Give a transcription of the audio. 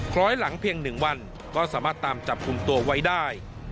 คล้อยหลังเพียง๑วันก็สามารถตามจับกลุ่มตัวไว้ได้